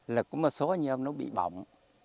là có một số anh em nó bị bỏng